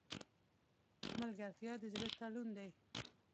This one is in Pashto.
ملګرتیا د زړه تړون دی.